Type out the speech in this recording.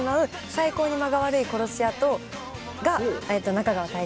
最高に間が悪い殺し屋が中川大志さん。